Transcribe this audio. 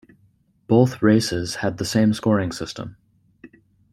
Both races had the same scoring system.